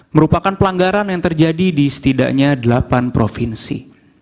merupakan pelanggaran yang terjadi di setidaknya delapan provinsi